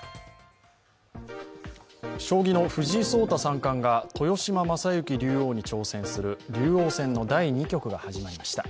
将棋の藤井聡太三冠が豊島将之竜王に挑戦する竜王戦の第二局が始まりました。